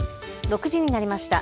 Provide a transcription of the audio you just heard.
６時になりました。